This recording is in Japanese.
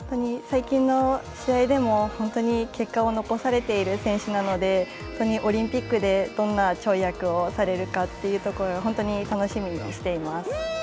最近の試合でも本当に結果を残されている選手なのでオリンピックでどんな跳躍をされるかっていうところ本当に楽しみにしています。